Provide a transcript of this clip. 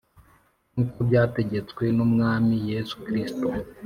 nk’uko byategetswe n’Umwami Yesu Kristo